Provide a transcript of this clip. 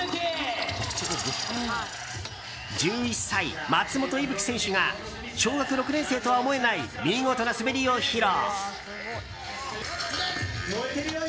１１歳、松本雪聖選手が小学６年生とは思えない見事な滑りを披露。